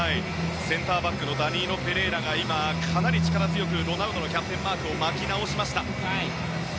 センターバックのダニーロ・ペレイラが今、かなり力強くロナウドのキャプテンマークを巻き直しました。